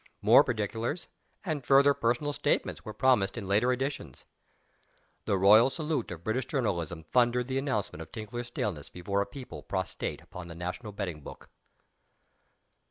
More particulars, and further personal statements, were promised in later editions. The royal salute of British journalism thundered the announcement of Tinkler's staleness before a people prostrate on the national betting book.